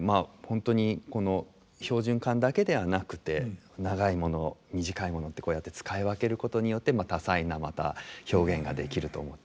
本当にこの標準管だけではなくて長いもの短いものってこうやって使い分けることによって多彩なまた表現ができると思ってます。